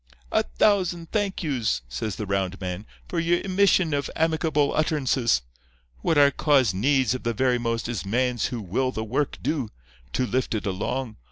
"'A thousand thank yous,' says the round man, 'for your emission of amicable utterances. What our cause needs of the very most is mans who will the work do, to lift it along.